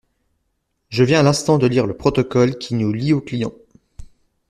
Je viens à l'instant de lire le protocole qui nous lie au client.